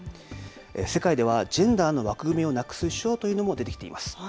世界ではジェンダーの枠組みをなくす賞というのも出てきています。